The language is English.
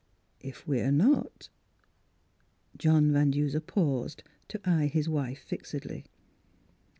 If we're not—" John Van Duser paused to eye his wife fixedly.